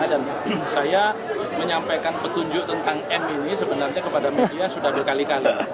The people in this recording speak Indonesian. dan saya menyampaikan petunjuk tentang m ini sebenarnya kepada media sudah berkali kali